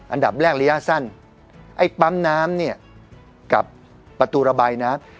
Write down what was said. อันดับแรกระยะสั้นไอ้ปั๊มน้ำเนี่ยกับประตูระบายน้ำ